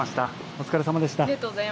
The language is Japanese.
お疲れさまでした。